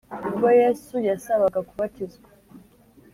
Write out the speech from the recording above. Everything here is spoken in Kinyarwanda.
Ubwo Yesu yasabaga kubatizwa